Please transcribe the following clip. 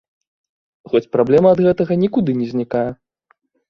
Хоць праблема ад гэтага нікуды не знікае.